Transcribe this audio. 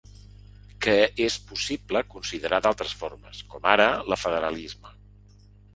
‐ que és possible considerar d’altres formes, com ara la federalisme.